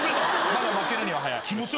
まだ負けるには早い。